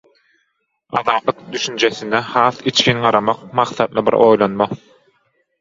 Azatlyk düşünjesine has içgin garamak maksatly bir oýlanma.